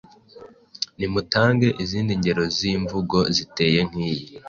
Nimutange izindi ngero z’imvugo ziteye nk’iyi “